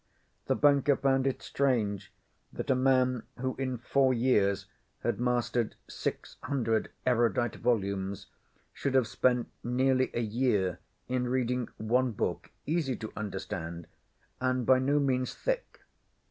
The banker found it strange that a man who in four years had mastered six hundred erudite volumes, should have spent nearly a year in reading one book, easy to understand and by no means thick.